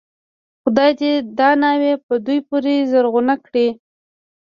خدای دې دا ناوې په دوی پورې زرغونه کړي.